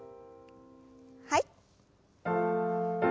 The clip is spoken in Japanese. はい。